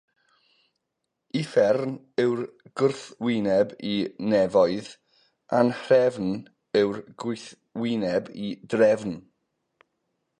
Uffern yw'r gwrthwyneb i Nefoedd; anhrefn yw'r gwrthwyneb i drefn.